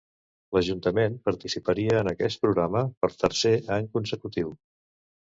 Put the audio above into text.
L'Ajuntament participaria en aquest programa per tercer any consecutiu.